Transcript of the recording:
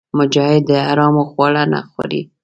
مجاهد د حرامو خواړه نه خوري.